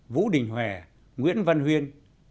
vũ đình hòe nguyễn văn huyên